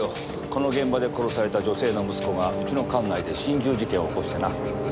この現場で殺された女性の息子がうちの管内で心中事件を起こしてな。